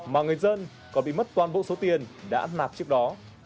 mà người dân còn bị mất toàn bộ số tiền đã nạp trước đó